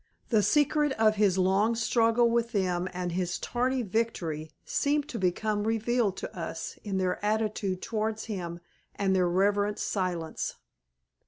The secret of his long struggle with them and his tardy victory seemed to become revealed to us in their attitude towards him and their reverent silence.